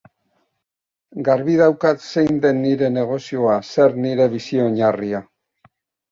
Garbi daukat zein den nire negozioa, zer nire bizi-oinarria.